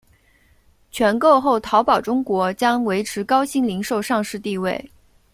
全购后淘宝中国将维持高鑫零售上市地位。